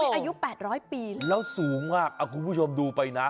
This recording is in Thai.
ไม่อยู่๘๐๐ปีเลยเราสูงเหรอคุณผู้ชมดูไปนะ